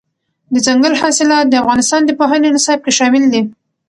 دځنګل حاصلات د افغانستان د پوهنې نصاب کې شامل دي.